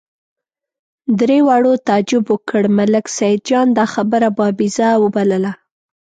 درې واړو تعجب وکړ، ملک سیدجان دا خبره بابېزه وبلله.